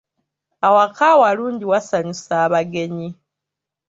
Awaka awalungi wasanyusa abagenyi.